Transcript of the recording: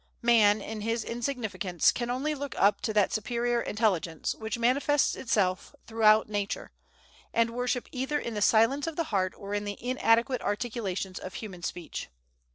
Man, in his insignificance, can only look up to that superior Intelligence, which manifests itself throughout Nature, and worship either in the silence of the heart or in the inadequate articulations of human speech.